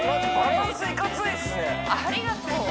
ありがとう